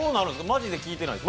マジで聞いてないです。